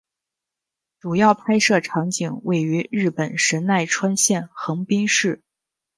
主要拍摄场景位于日本神奈川县横滨市。